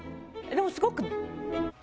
でもすごく。